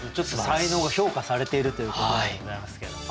才能が評価されているということでございますけれども。